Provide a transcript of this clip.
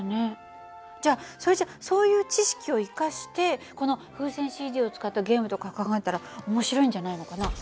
じゃあそれじゃそういう知識を生かしてこの風船ＣＤを使ったゲームとか考えたら面白いんじゃないのかな？